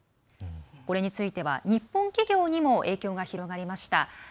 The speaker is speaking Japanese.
これについては、日本企業にも影響が広がりました。